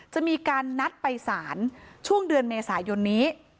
จะมีการนัดไปสารช่วงเดือนเมษายนนี้